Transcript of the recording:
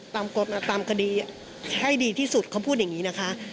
ตามคดีให้ดีที่สุดเขาพูดอย่างนี้นะคะ